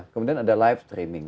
kemudian ada live streaming